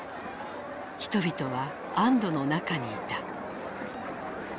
人々は安どの中にいた。